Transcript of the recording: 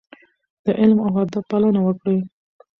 د علم او ادب پالنه وکړئ.